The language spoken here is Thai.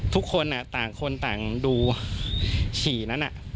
ทุกคนต่างคนต่างดูฉี่นั้น